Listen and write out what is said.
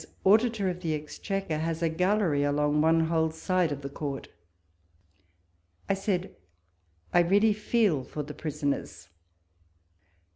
Vuditor of the Exchequer, has a gallery along one whole side of the court ; I said, " I really feel for the prisoners!"